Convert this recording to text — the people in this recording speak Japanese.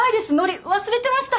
忘れてました。